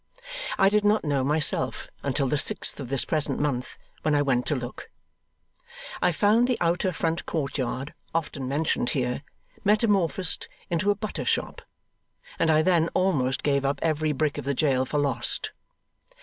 I did not know, myself, until the sixth of this present month, when I went to look. I found the outer front courtyard, often mentioned here, metamorphosed into a butter shop; and I then almost gave up every brick of the jail for lost.